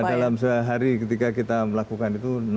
dalam sehari ketika kita melakukan itu